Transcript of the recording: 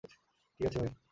ঠিক আছে ভাই।